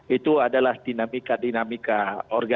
itu adalah dinamika dinamikannya